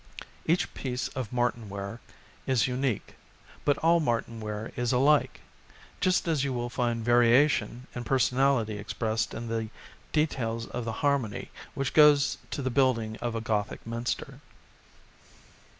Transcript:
Each piece of Martinware is unique, but all Martinware is alike ; just as you will find variation and personality expressed in the de tails of the harmony which goes to the building of a Gothic minster.